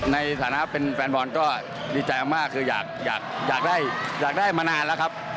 ในฐานะเป็นแฟนบอลก็ดีใจมากคืออยากได้มานานแล้วครับ